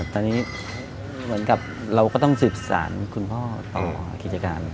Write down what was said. ตอนนี้เหมือนกับเราก็ต้องสืบสารคุณพ่อต่อกิจการ